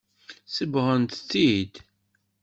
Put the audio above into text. Sebɣent-t-id.